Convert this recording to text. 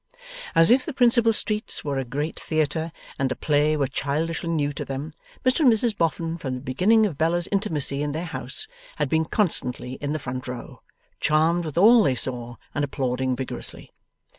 As if the principal streets were a great Theatre and the play were childishly new to them, Mr and Mrs Boffin, from the beginning of Bella's intimacy in their house, had been constantly in the front row, charmed with all they saw and applauding vigorously.